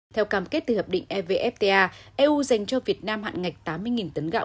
theo cam kết từ hiệp định evfta eu dành cho việt nam hạn ngạch tám mươi tấn gạo